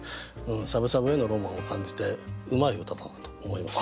しゃぶしゃぶへのロマンを感じてうまい歌だなと思いました。